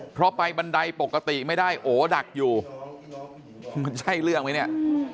เพราะไปบันไดปกติไม่ได้โอดักอยู่มันใช่เรื่องไหมเนี่ย